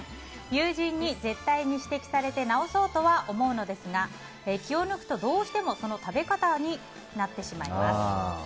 友人に絶対に指摘されて直そうとは思うのですが気を抜くと、どうしてもその食べ方になってしまいます。